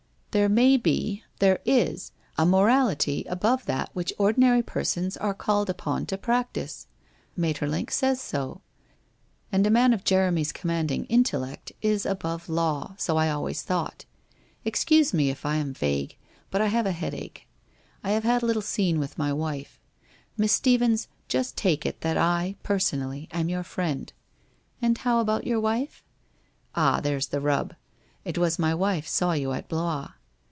' There may be — there is — a morality above that which ordinary persons are called upon to practice. Maeterlinck says so. And a man of Jeremy's commanding intellect is above law, so I always thought. Excuse me if I am vague, but I have a headache. I have had a little scene with my wife. Miss Stephens, just take it that I, personally, am your friend '' And how about your wife ?'' Ah, there's the rub. It was my wife saw you at Blois.'